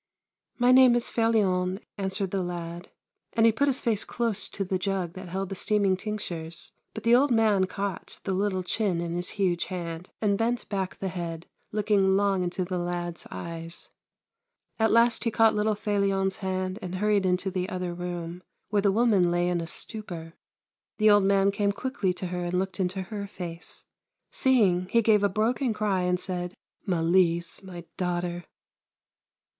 ]\Iy name is Felion," answered the lad, and he put his face close to the jug that held the steaming tinc tures, but the old man caught the little chin in his huge hand and bent back the head, looking long into the lad's eyes. At last he caught little Felion's hand and hurried into the other room, where the woman lay in a stupor. The old man came quickly to her and looked into her face. Seeing, he gave a broken cry and said :" Malise, my daughter